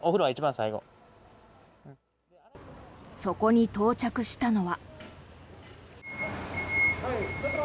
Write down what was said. そこに到着したのは。